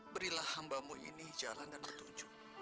berilah hambamu ini jalan dan bertuju